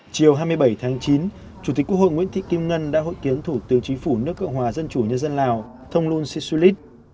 chiều hai mươi bảy tháng chín chủ tịch quốc hội nguyễn thị kim ngân đã hội kiến thủ tướng chính phủ nước cộng hòa dân chủ nhân dân lào thông luân si su lít